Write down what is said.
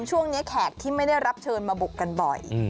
แขกที่ไม่ได้รับเชิญมาบุกกันบ่อย